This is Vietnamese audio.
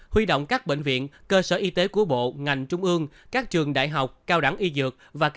huy động các bệnh viện cơ sở y tế của bộ ngành trung ương các trường đại học